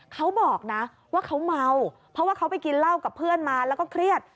เขาบอกนะว่าเขาเมาเพราะว่าเขาไปกินเหล้ากับเพื่อนมาแล้วก็เครียด